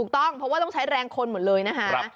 ต้องใช้แรงคนหมดเลยนะคะ